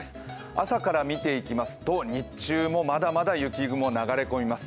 朝から見ていきますと、日中もまだまだ雪雲流れ込みます。